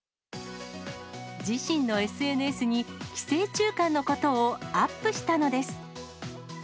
自身のＳＮＳに、寄生虫館のことをアップしたのです。